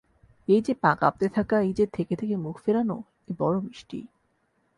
এই-যে পা কাঁপতে থাকা, এই-যে থেকে-থেকে মুখ ফেরানো, এ বড়ো মিষ্টি!